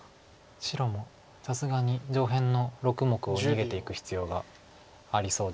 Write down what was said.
白もさすがに上辺の６目を逃げていく必要がありそうですので。